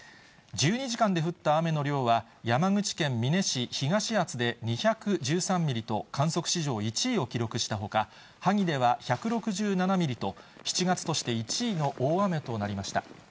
１２時間で降った雨の量は、山口県美祢市東厚保で２１３ミリと、観測史上１位を記録したほか、萩では１６７ミリと、７月として１位の大雨となりました。